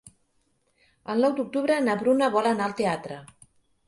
El nou d'octubre na Bruna vol anar al teatre.